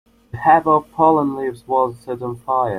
The heap of fallen leaves was set on fire.